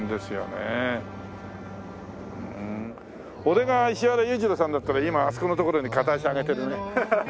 俺が石原裕次郎さんだったら今あそこの所に片足上げてるね。